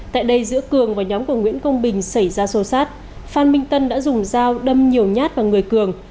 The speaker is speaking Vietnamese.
tại đây giữa cường và nhóm của nguyễn công bình xảy ra xô xát phan minh tân đã dùng dao đâm nhiều nhát vào người cường